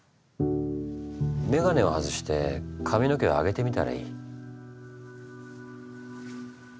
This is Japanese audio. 眼鏡を外して髪の毛を上げてみたらいい。